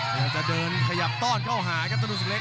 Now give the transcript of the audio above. แต่จะเดินขยับต้อนเข้าหาครับธนูศึกเล็ก